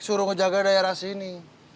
suruh ngejaga daerah sini